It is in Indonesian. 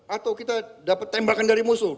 atau kita dapat tembakan dari musuh